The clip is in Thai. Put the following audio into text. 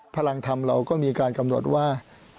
พลังธรรมเราก็มีการกำหนดว่า